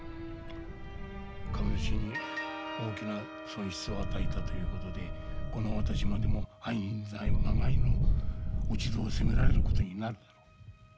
株主に大きな損失を与えたということでこの私までも背任罪まがいの落ち度を責められることになるだろう。